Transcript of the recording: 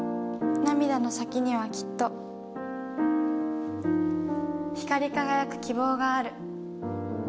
涙の先にはきっと、光り輝く希望がある。